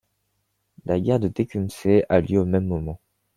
La guerre de Tecumseh a lieu au même moment.